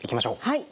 はい。